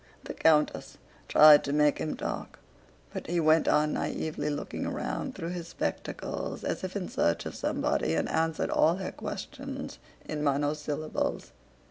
The countess tried to make him talk, but he went on naïvely looking around through his spectacles as if in search of somebody and answered all her questions in monosyllables.